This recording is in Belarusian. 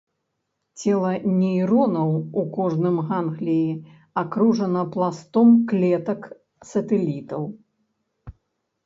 Цела нейронаў у кожным гангліі акружана пластом клетак-сатэлітаў.